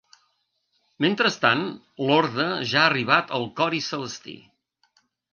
Mentrestant, l'Horda ja ha arribat al Cori Celesti.